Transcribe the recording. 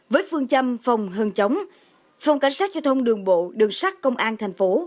với phương châm phòng hơn chống phòng cảnh sát giao thông đường bộ đường sát công an thành phố